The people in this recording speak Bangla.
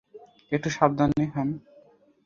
একটু সাবধানে খান।